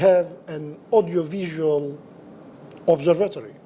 adalah memiliki observatorium